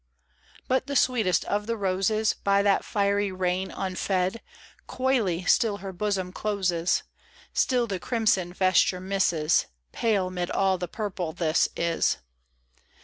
But the sweetest of the roses. By that fiery rain unfed, Coyly still her bosom closes. Still the crimson vesture misses ; Pale 'mid all the purple this is.